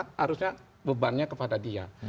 harusnya bebannya kepada dia